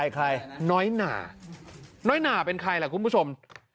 ใครน้อยหนาน้อยหนาเป็นใครล่ะคุณผู้ชม